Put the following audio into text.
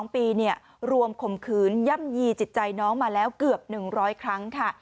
๒ปีรวมข่มขืนย่ำยีจิตใจน้องมาแล้วเกือบ๑๐๐ครั้งค่ะ